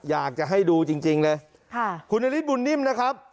อยากจะให้ดูจริงเลยค่ะคุณนฤทธบุญนิ่มนะครับ